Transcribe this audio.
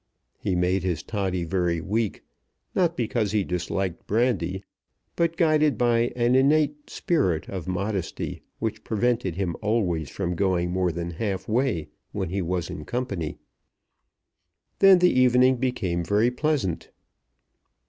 He made his toddy very weak, not because he disliked brandy, but guided by an innate spirit of modesty which prevented him always from going more than halfway when he was in company. Then the evening became very pleasant.